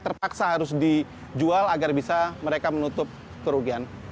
terpaksa harus dijual agar bisa mereka menutup kerugian